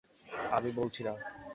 আমি বলছি না!